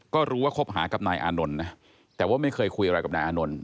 ก็รู้ว่าคบหากับนายอานนท์นะแต่ว่าไม่เคยคุยอะไรกับนายอานนท์